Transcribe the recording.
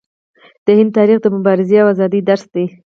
د هند تاریخ د مبارزې او ازادۍ درس دی.